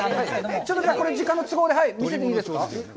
ちょっとこれ時間の都合で、見せていいですか？